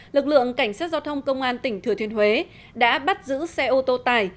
lực lượng cảnh sát giao thông công an tỉnh thừa thiên huế đã bắt giữ xe ô tô tải